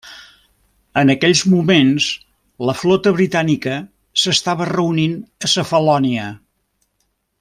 En aquells moments, la flota britànica s'estava reunint a Cefalònia.